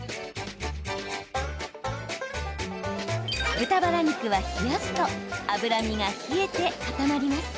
豚バラ肉は冷やすと脂身が冷えて固まります。